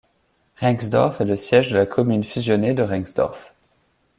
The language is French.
Rengsdorf est le siège de la commune fusionnée de Rengsdorf.